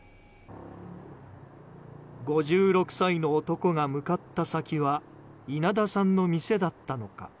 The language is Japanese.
５６歳の男が向かった先は稲田さんの店だったのか。